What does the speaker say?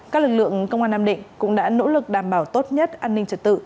các lực lượng công an nam định cũng đã nỗ lực đảm bảo tốt nhất an ninh trật tự